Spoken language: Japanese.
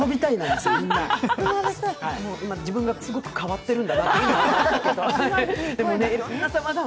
あ、今、自分がすごく変わってるんだなって思いました。